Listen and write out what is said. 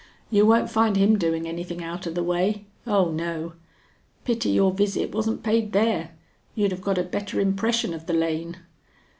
"You won't find him doing anything out of the way; oh, no. Pity your visit wasn't paid there. You'd have got a better impression of the lane."